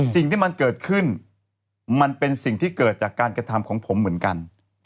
สิ่งที่มันเกิดขึ้นมันเป็นสิ่งที่เกิดจากการกระทำของผมเหมือนกัน